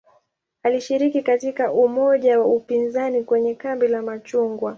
Alishiriki katika umoja wa upinzani kwenye "kambi la machungwa".